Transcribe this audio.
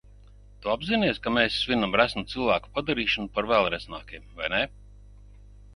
Tu apzinies, ka mēs svinam resnu cilvēku padarīšanu par vēl resnākiem, vai ne?